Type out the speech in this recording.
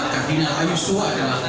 kardinal ayuso adalah